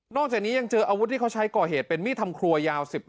จากนี้ยังเจออาวุธที่เขาใช้ก่อเหตุเป็นมีดทำครัวยาว๑๐